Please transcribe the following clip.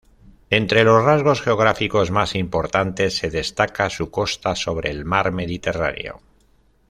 Entre los rasgos geográficos más importantes se destaca su costa sobre el mar Mediterráneo.